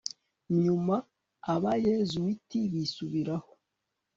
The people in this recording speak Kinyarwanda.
nyuma abayezuwiti bisubiraho